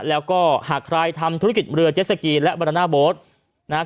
แล้วก็หากใครทำธุรกิจเรือเจสสกีและบรรณาโบสต์นะฮะ